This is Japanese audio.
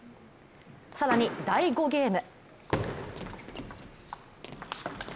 更に、第５ゲーム。